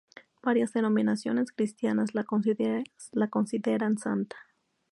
Varias denominaciones cristianas la consideran santa.